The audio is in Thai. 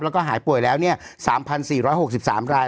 แล้วก็หายป่วยแล้ว๓๔๖๓ราย